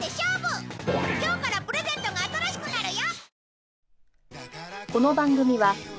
今日からプレゼントが新しくなるよ！